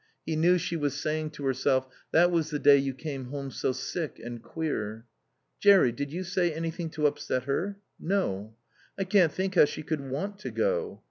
He knew she was saying to herself, "That was the day you came home so sick and queer." "Jerry did you say anything to upset her?" "No." "I can't think how she could want to go."